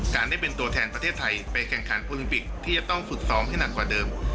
ได้เป็นตัวแทนประเทศไทยไปแข่งขันโอลิมปิกที่จะต้องฝึกซ้อมให้หนักกว่าเดิม